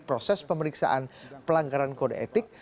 proses pemeriksaan pelanggaran kode etik